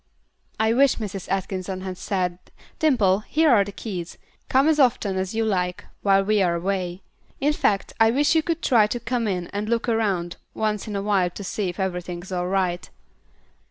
"I wish Mrs. Atkinson had said, 'Dimple, here are the keys, come in as often as you like while we are away; in fact, I wish you would try to come in and look around once in a while to see if everything is all right.'"